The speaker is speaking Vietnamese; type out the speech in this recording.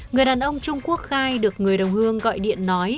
người đàn ông trung quốc khai được người đồng hương gọi điện nói